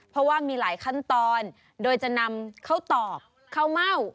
เพราะว่ามีหลายขั้นตอนโดยจะนำข้าวตอกข้าวเม่า